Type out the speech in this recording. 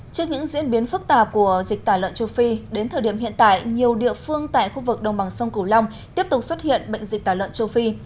trước những diễn biến phức tạp của dịch tả lợn châu phi đến thời điểm hiện tại nhiều địa phương tại khu vực đồng bằng sông cửu long tiếp tục xuất hiện bệnh dịch tả lợn châu phi